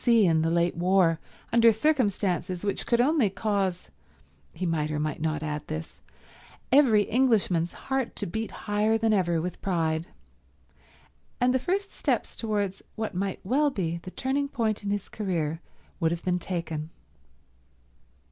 C. in the late war under circumstances which could only cause—he might or might not add this—every Englishman's heart to beat higher than ever with pride, and the first steps towards what might well be the turning point in his career would have been taken.